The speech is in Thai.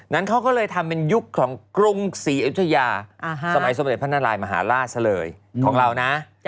นั้นเขาก็เลยทำเป็นยุคของกรุงศรีอยุธยาสมัยสมเด็จพระนารายมหาราชซะเลยของเรานะ